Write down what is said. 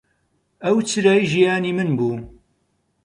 ئەو چرای ژیانی من بوو.